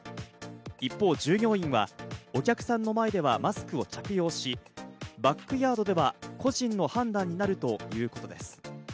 一方、従業員はお客さんの前ではマスクを着用し、バックヤードでは個人の判断になるということです。